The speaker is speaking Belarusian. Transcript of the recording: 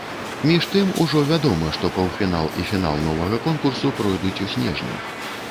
Між тым, ужо вядома, што паўфінал і фінал новага конкурсу пройдуць у снежні.